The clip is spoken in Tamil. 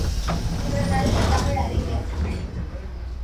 இவர் நல்ல தமிழ் அறிஞர்.